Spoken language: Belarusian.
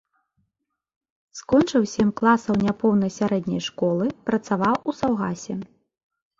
Скончыў сем класаў няпоўнай сярэдняй школы, працаваў у саўгасе.